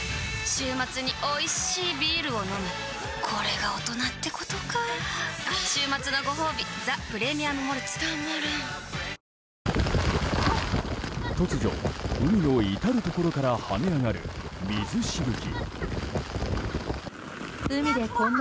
週末においしいビールを飲むあ週末のごほうび「ザ・プレミアム・モルツ」たまらんっ突如、海の至るところから跳ね上がる水しぶき。